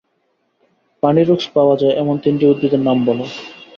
পানিরুক্স পাওয়া যায় এমন তিনটি উদ্ভিদের নামবল?